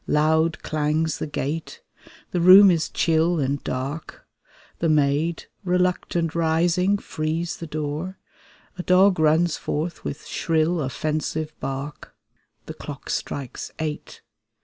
Loud clangs the gate; the room is chill and dark. The maid, reluctant rising, frees the door; A dog runs forth with shrill, offensive bark. The clock strikes eight!